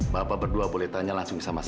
bapak berdua boleh tanya langsung sama saya